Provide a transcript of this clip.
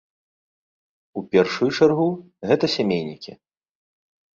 У першую чаргу гэта сямейнікі.